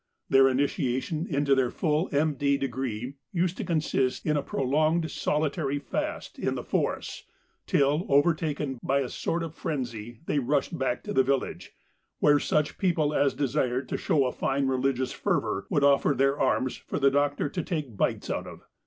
Their initiation into their full M.D. degree used to consist in a prolonged solitary fast in the forests, till, overtaken by a sort of frenzy, they rushed back to the village, where such people as desired to show a fine religious fervour would offer their arms for the doctor to take bites out of.